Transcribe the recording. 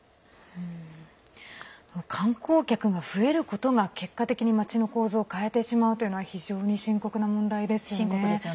観光客が増えることが結果的にまちの構造を変えてしまうというのは深刻な問題ですよね。